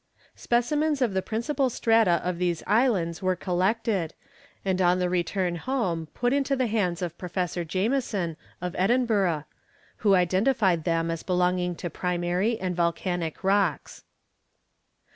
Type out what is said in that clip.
Specimens of the principal strata of these islands were collected, and on the return home put into the hands of Professor Jameson, of Edinburgh, who identified them as belonging to primary and volcanic rocks.